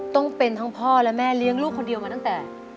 ต้องเป็นทั้งพ่อและแม่เลี้ยงลูกคนเดียวมาตั้งแต่